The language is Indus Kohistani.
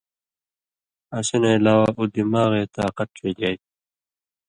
اسی نہ علاوہ اُو دماغے طاقت ڇېلیائ تُھو